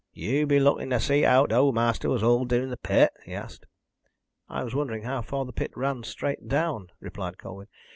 "Yow be lookin' to see how t'owd ma'aster was hulled dune th' pit?" he asked. "I was wondering how far the pit ran straight down," replied Colwyn.